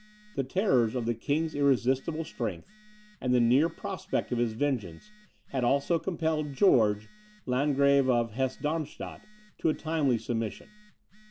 The terrors of the king's irresistible strength, and the near prospect of his vengeance, had also compelled George, Landgrave of Hesse Darmstadt, to a timely submission.